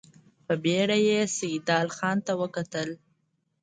په بېړه يې سيدال خان ته وکتل.